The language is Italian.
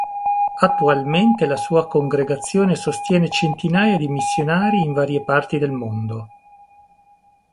Attualmente la sua congregazione sostiene centinaia di missionari in varie parti del mondo.